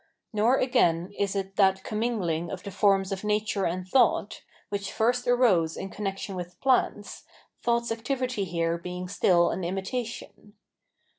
Nor, again, is it that com mingling of the forms of nature and thought, which first arose in connection with plants, thought's activity here being still an imitation.